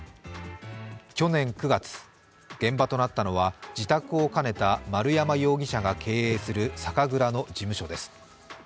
去年９月、現場となったのは自宅を兼ねた丸山容疑者が経営する酒蔵の事務所です。